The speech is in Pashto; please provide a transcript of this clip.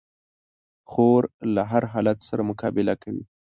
خور له هر حالت سره مقابله کوي.